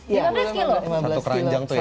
satu keranjang tuh ya